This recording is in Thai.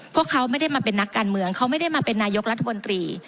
พวกเขาไม่ได้มาเป็นนักการเมืองเขาไม่ได้มาเป็นนายกรัฐมนตรี